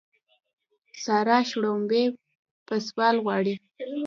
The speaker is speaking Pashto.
سارا شړومبې په سوال غواړي.